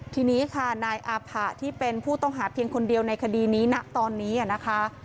ทีนี้ค่ะนายอาผะที่เป็นผู้ต้องหาเพียงคนเดียวในคดีนี้ณตอนนี้นะคะ